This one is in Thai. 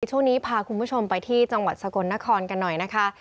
ช่วงนี้พาคุณผู้ชมไปที่จังหวัดสกลนครกันหน่อยนะคะ